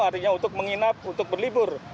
artinya untuk menginap untuk berlibur